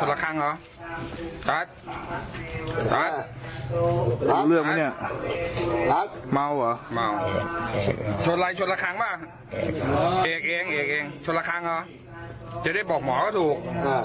เอกเองโชนระคังเหรอจะได้บอกหมอก็ถูก